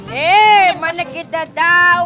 he mana kita tahu